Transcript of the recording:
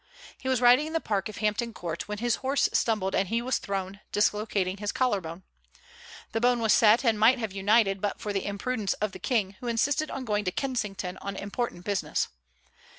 He was riding in the park of Hampton Court, when his horse stumbled and he was thrown, dislocating his collar bone. The bone was set, and might have united but for the imprudence of the King, who insisted on going to Kensington on important business.